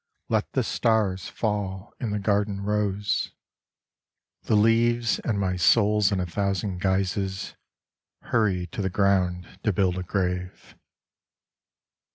Let the stars fall in the garden rose : 96 Fantasia The leaves and my souls in a thousand guises Hurry to the ground to build a grave.